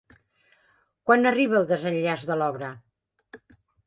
Quan arriba el desenllaç de l'obra?